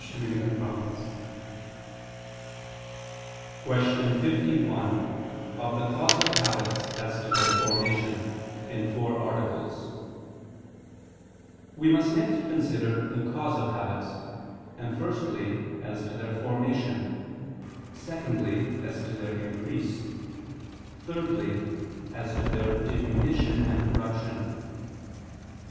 ________________________ QUESTION 51 OF THE CAUSE OF HABITS, AS TO THEIR FORMATION (In Four Articles) We must next consider the cause of habits: and firstly, as to their formation; secondly, as to their increase; thirdly, as to their diminution and corruption.